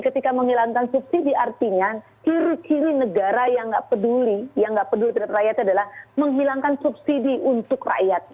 ketika menghilangkan subsidi artinya ciri ciri negara yang nggak peduli yang nggak peduli terhadap rakyat adalah menghilangkan subsidi untuk rakyat